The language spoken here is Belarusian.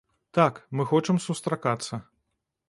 Так, мы хочам сустракацца.